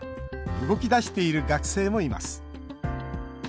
動き出している学生もいます。